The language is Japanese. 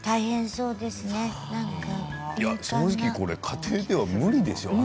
正直これ家庭では無理でしょう。